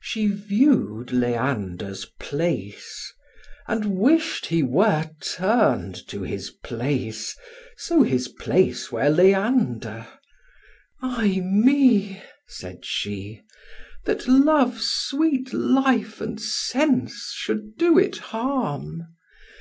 She view'd Leander's place, and wish'd he were Turn'd to his place, so his place were Leander. "Ay me," said she, "that love's sweet life and sense Should do it harm!